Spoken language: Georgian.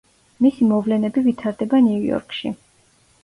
მისი მოვლენები ვითარდება ნიუ-იორკში.